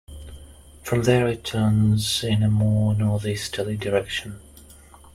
From there it turns in a more northeasterly direction.